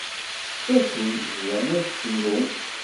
Sakkin bdan akk cennun.